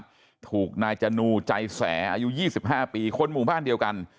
เชียงรายนะครับถูกนายจนูใจแสอายุ๒๕ปีคนหมู่บ้านเดียวกัน